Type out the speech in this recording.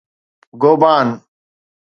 گوبان